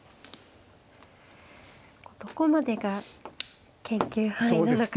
どこまでが研究範囲なのか。